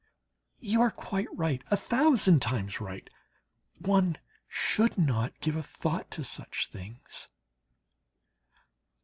You are quite right, a thousand times right! One should not give a thought to such things.